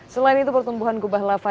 selain itu pertumbuhan kubah lava